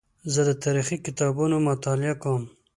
زه د تاریخي کتابونو مطالعه کوم.